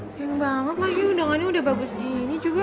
seneng banget lagi undangannya udah bagus gini juga